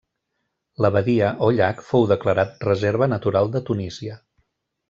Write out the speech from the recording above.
La badia o llac fou declarat reserva natural de Tunísia.